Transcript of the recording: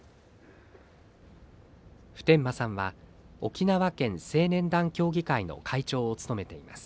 普天間さんは沖縄県青年団協議会の会長を務めています。